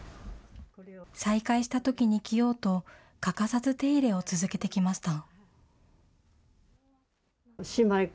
再会したときに着ようと、欠かさず手入れを続けてきました。